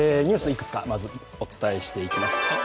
いくつかまずお伝えしていきます。